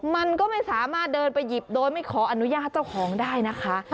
มันก็ไม่สามารถเดินไปหยิบโดยไม่ขออนุญาตเจ้าของได้นะคะ